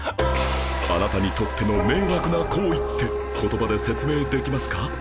あなたにとっての迷惑な行為って言葉で説明できますか？